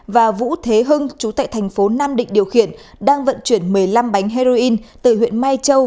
và vũ thế hưng chú tại thành phố nam định điều khiển đang vận chuyển một mươi năm bánh heroin từ huyện mai châu